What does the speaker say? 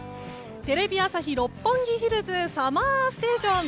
「テレビ朝日・六本木ヒルズＳＵＭＭＥＲＳＴＡＴＩＯＮ」